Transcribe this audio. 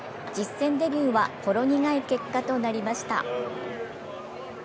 実戦デビューはほろ苦い結果となりました。